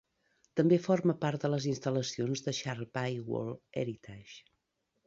També forma part de les instal·lacions de Shark Bay World Heritage .